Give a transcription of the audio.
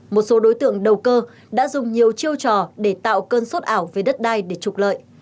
một số đối tượng đầu cơ đã dùng nhiều chiêu trò để tạo cơn sốt ảo về đất đai để trục lợi